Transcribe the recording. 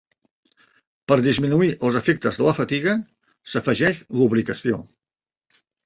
Per disminuir els efectes de la fatiga, s’afegeix lubricació.